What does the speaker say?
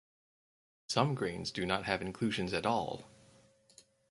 Some grains do not have inclusions at all.